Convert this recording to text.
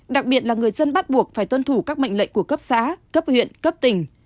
đặc biệt là người dân bắt buộc phải tuân thủ các mệnh lệnh của cấp xã cấp huyện cấp tỉnh